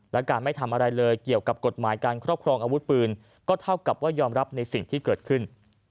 และการไม่ทำอะไรเลยเกี่ยวกับกฎหมายการครอบครองอาวุธปืนก็เท่ากับว่ายอมรับในสิ่งที่เกิดขึ้น